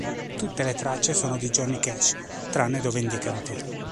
Tutte le tracce sono di Johnny Cash, tranne dove indicato.